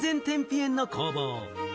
塩の工房。